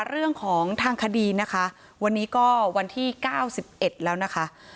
เรื่องของทางคดีนะคะวันนี้ก็วันที่๙๑แล้วนะคะ